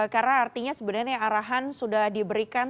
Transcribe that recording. karena artinya sebenarnya arahan sudah diberikan